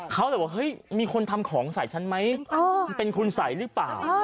เขาเลยว่าเฮ้ยมีคนทำของใส่ฉันไหมเป็นคุณสัยหรือเปล่า